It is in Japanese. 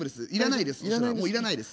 いらないです